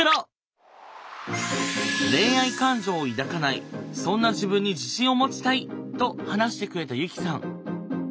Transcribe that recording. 恋愛感情を抱かないそんな自分に自信を持ちたいと話してくれたユキさん。